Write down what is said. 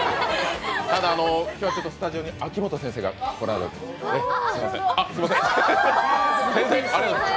今日はスタジオに秋元先生が来られてます。